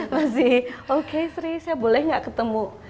masih oke sri saya boleh gak ketemu